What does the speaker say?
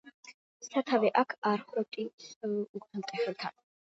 სათავე აქვს არხოტის უღელტეხილთან.